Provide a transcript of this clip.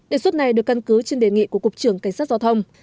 đề xuất này được căn cứ trên đề nghị của cục trưởng cảnh sát giao thông